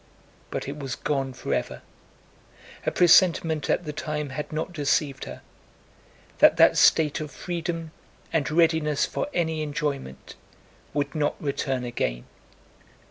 But it was gone forever. Her presentiment at the time had not deceived her—that that state of freedom and readiness for any enjoyment would not return again.